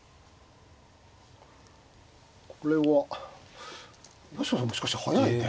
これは八代さんもしかし速いね。